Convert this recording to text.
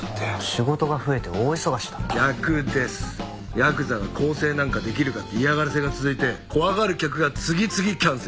ヤクザが更生なんかできるかって嫌がらせが続いて怖がる客が次々キャンセル。